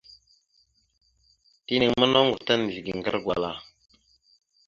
Tenaŋ ma, noŋgov ta nizləge aŋgar gwala.